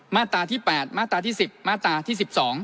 มาตราที่๘มาตราที่๑๐มาตราที่๑๒